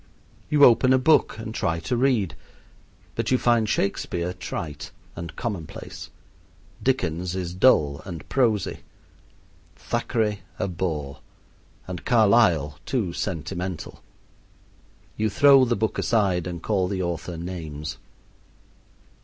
You open a book and try to read, but you find Shakespeare trite and commonplace, Dickens is dull and prosy, Thackeray a bore, and Carlyle too sentimental. You throw the book aside and call the author names.